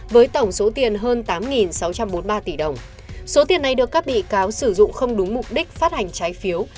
với tổng số tiền hơn tám sáu trăm bốn mươi ba tỷ đồng số tiền này được các bị cáo sử dụng không đúng mục đích phát hành trái phiếu